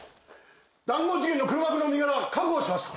談合事件の黒幕の身柄確保しました！